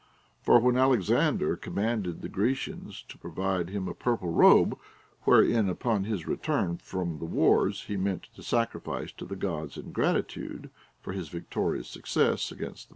For when Alexander com manded the Grecians to provide him a purple robe, where in, upon his return from the wars, he meant to sacrifice to the Gods in gratitude for his victorious success against the.